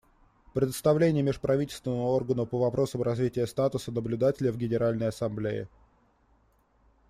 Предоставление Межправительственному органу по вопросам развития статуса наблюдателя в Генеральной Ассамблее.